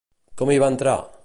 Com hi va entrar?